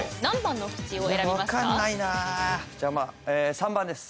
３番です。